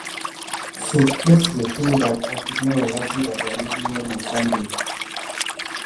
Sogue def kegué ka si agute wuza dida bana dit amasan.